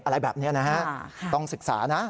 อะไรแบบนี้นะฮะต้องศึกษานะ